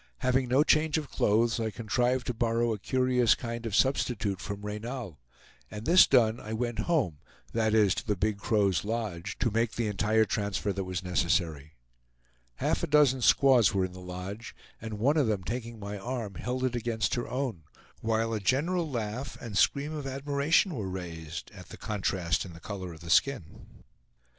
Having no change of clothes, I contrived to borrow a curious kind of substitute from Reynal: and this done, I went home, that is, to the Big Crow's lodge to make the entire transfer that was necessary. Half a dozen squaws were in the lodge, and one of them taking my arm held it against her own, while a general laugh and scream of admiration were raised at the contrast in the color of the skin.